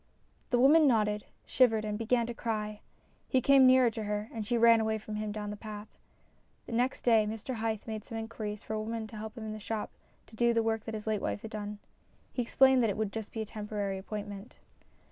The woman nodded, shivered, and began to cry. He came nearer to her, and she ran away from him down the path. Next day Mr Hythe made some inquiries for a woman to help in the shop to do the work that his late wife had done. He explained that it would be just a temporary appointment.